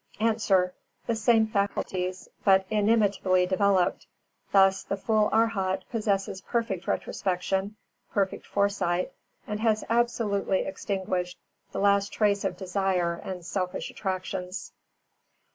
_ A. The same faculties, but inimitably developed. Thus, the full Arhat possesses perfect retrospection, perfect foresight, and has absolutely extinguished the last trace of desire and selfish attractions.